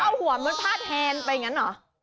แล้วเอาหัวมันพาดแฮนไปอย่างนั้นเหรอ